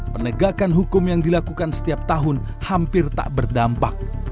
penegakan hukum yang dilakukan setiap tahun hampir tak berdampak